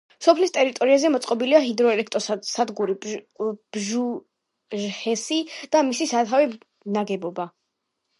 სოფლის ტერიტორიაზე მოწყობილია ჰიდროელექტროსადგური ბჟუჟჰესი და მისი სათავე ნაგებობა.